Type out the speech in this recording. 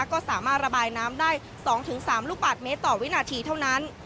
ก็สามารถระบายน้ำได้๒๓ลูกบาทเมตรต่อวินาทีเท่านั้น